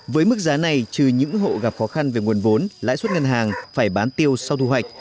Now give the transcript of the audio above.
với mức giá này trừ những hộ gặp khó khăn về nguồn vốn lãi suất ngân hàng phải bán tiêu sau thu hoạch